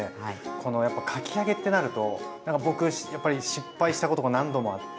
このやっぱかき揚げってなると僕やっぱり失敗したことが何度もあって。